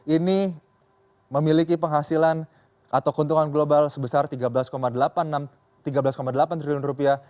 ini memiliki penghasilan atau keuntungan global sebesar tiga belas delapan triliun rupiah